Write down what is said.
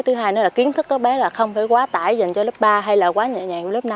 thứ hai nữa là kiến thức các bé là không phải quá tải dành cho lớp ba hay là quá nhẹ nhàng lớp năm